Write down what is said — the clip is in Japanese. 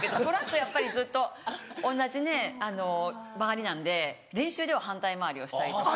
やっぱりずっと同じね回りなんで練習では反対回りをしたりとか。